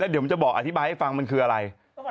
เดี๋ยวจะบอกอธิบายให้ฟังมันคืออะไร